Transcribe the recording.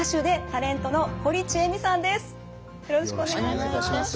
よろしくお願いします。